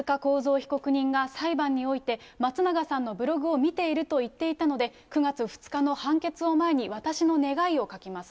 被告人が裁判において、松永さんのブログを見ていると言っていたので、９月２日の判決を前に、私の願いを書きます。